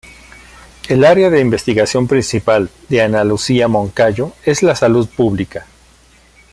El área de investigación principal de Ana Lucía Moncayo es la Salud Pública.